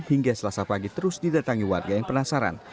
hingga selasa pagi terus didatangi warga yang penasaran